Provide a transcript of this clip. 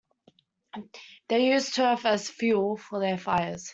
They used turf as fuel for their fires.